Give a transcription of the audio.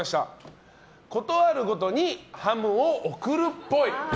ことあるごとにハムを贈るっぽい。